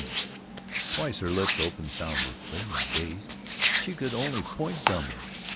XVII Twice her lips opened soundlessly and, dazed, she could only point dumbly.